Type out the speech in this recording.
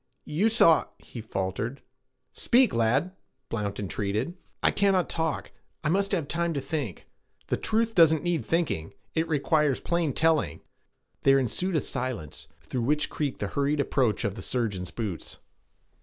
'You saw' he faltered. 'Speak, lad!' Blount entreated. 'I cannot talk. I must have time to think.' 'The truth doesn't need thinking. It requires plain telling.' There ensued a silence, through which creaked the hurried approach of the surgeon's boots.